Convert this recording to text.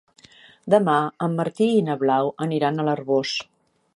Demà en Martí i na Blau aniran a l'Arboç.